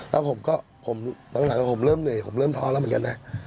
แล้วผมก็ผมหลังผมเริ่มเหนื่อยผมเริ่มท้อแล้วเหมือนกันนะ